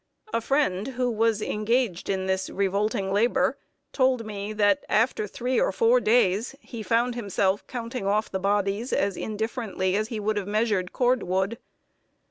A friend, who was engaged in this revolting labor, told me that, after three or four days, he found himself counting off the bodies as indifferently as he would have measured cord wood.